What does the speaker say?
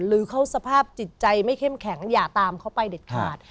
หรือเขาสภาพจิตใจไม่เข้มแข็งอย่าตามเขาไปเด็ดขาด